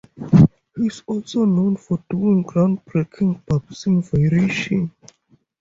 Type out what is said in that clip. He's also known for doing groundbreaking barspin variations.